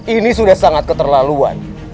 ini sudah sangat keterlaluan